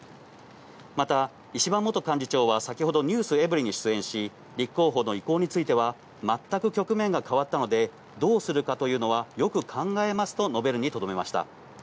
また、石破元幹事長は先ほど、ｎｅｗｓｅｖｅｒｙ．に出演し、立候補の意向については全く局面が変わったので、どうするかというのはよく考えますと述べるにとどめました。